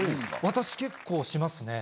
私結構しますね。